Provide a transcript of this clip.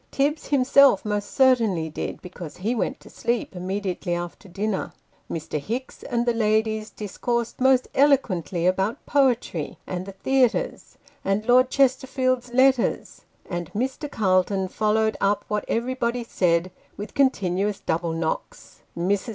Tibbs himself most certainly did, because he went to sleep immediately after dinner. Mr. Hicks and the ladies discoursed most eloquently about poetry, and the theatres, and Lord Chesterfield's Letters ; and Mr. Calton followed up what everybody said, with continuous double knocks. Mrs.